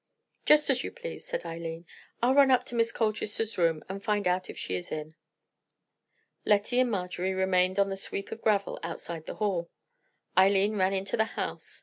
"Just as you please," said Eileen. "I'll run up to Miss Colchester's room and find out if she is in." Lettie and Marjorie remained on the sweep of gravel outside the hall. Eileen ran into the house.